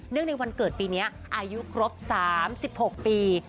ในวันเกิดปีนี้อายุครบ๓๖ปี